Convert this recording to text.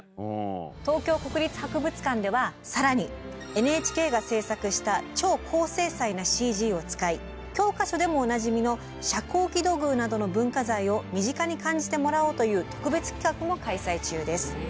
東京国立博物館では更にＮＨＫが制作した超高精細なＣＧを使い教科書でもおなじみの遮光器土偶などの文化財を身近に感じてもらおうという特別企画も開催中です。